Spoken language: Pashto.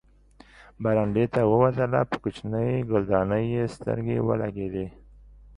برنډې ته ووتله، په کوچنۍ ګلدانۍ یې سترګې ولګېدې.